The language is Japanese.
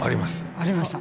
ありました？